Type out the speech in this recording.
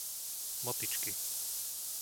Motyčky